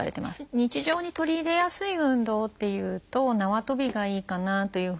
日常に取り入れやすい運動っていうとなわとびがいいかなというふうに思います。